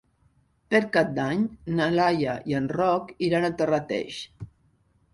Per Cap d'Any na Laia i en Roc iran a Terrateig.